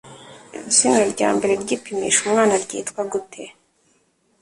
Izina ryambere ryipimisha umwana ryitwa gute?